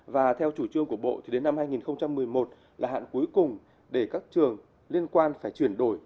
và theo chủ trương của bộ thì đến năm hai nghìn một mươi một là hạn cuối cùng để các trường liên quan phải chuyển đổi